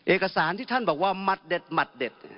เอกสารที่ท่านบอกว่ามัดเด็ด